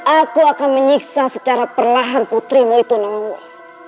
aku akan menyiksa secara perlahan putrimu itu nomor